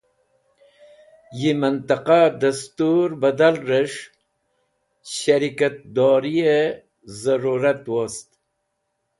Yi mẽntẽqa dẽstũr badalrẽs̃h shẽrikat doriẽ zẽrũrat wost